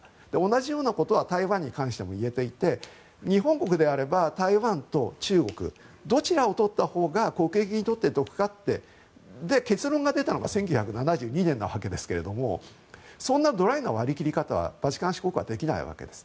同じようなことは台湾に関してもいえて日本国であれば台湾と中国どちらを取ったほうが国益にとって得かって結論が出たのが１９７２年ですがそんなドライな割り切り方はバチカン市国はできないわけです。